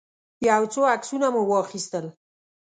يو څو عکسونه مو واخيستل.